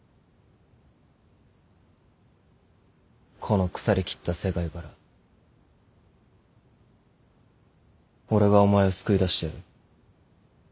この腐りきった世界から俺がお前を救い出してやる